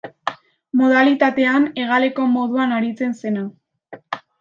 Modalitatean hegaleko moduan aritzen zena.